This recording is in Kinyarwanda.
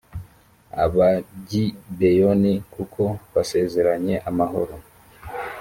abagibeyoni kuko basezeranye amahoro